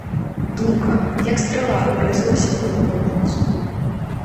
Думка, як страла, урэзалася ў галаву хлапцу.